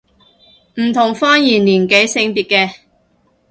唔同方言年紀性別嘅